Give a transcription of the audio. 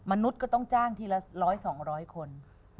มนุษย์ก็ต้องจ้างทีละร้อยสองร้อยคน